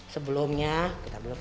sebelumnya kita mengambil